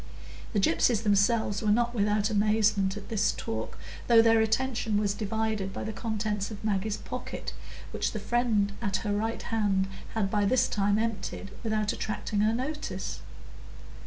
The gypsies themselves were not without amazement at this talk, though their attention was divided by the contents of Maggie's pocket, which the friend at her right hand had by this time emptied without attracting her notice.